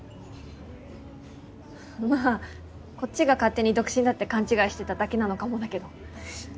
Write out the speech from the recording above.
まあこっちが勝手に独身だって勘違いしてただけなのかもだけど。